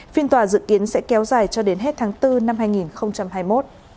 phiên tòa dự kiến sẽ kéo dài cho đến hết tháng bốn năm hai nghìn hai mươi một